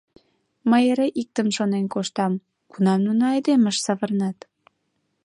— Мый эре иктым шонен коштам: кунам нуно айдемыш савырнат?